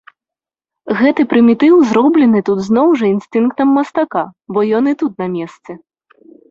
Гэты прымітыў зроблены тут зноў жа інстынктам мастака, бо ён і тут на месцы.